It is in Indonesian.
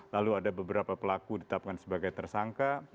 lalu ada beberapa pelaku ditetapkan sebagai tersangka